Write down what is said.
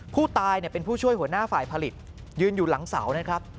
ผู้ตายเป็นผู้ช่วยหัวหน้าฝ่ายผลิตยืนอยู่หลังเสานะครับ